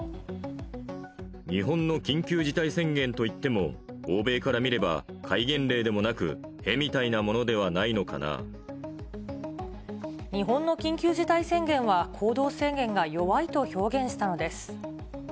日本の緊急事態宣言といっても、欧米から見れば戒厳令でもなく、へみたいなものではないのか日本の緊急事態宣言は行動制限が弱いと表現したのです。